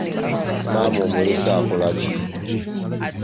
Maama omulese akola ki?